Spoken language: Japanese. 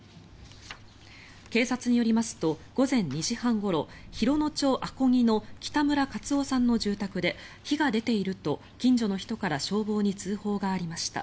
警察によりますと午前２時半ごろ、洋野町阿子木の北村克男さんの住宅で火が出ていると近所の人から消防に通報がありました。